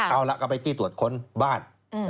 เอาล่ะก็ไปจี้ตรวจค้นบ้าน